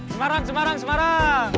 semarang semarang semarang